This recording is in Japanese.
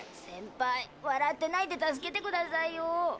センパイ笑ってないで助けてくださいよ。